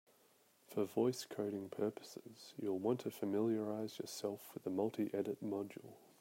For voice coding purposes, you'll want to familiarize yourself with the multiedit module.